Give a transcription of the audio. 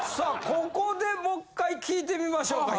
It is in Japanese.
ここでもっかい聞いてみましょうか。